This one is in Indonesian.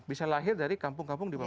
bisa lahir dari kampung kampung di bawah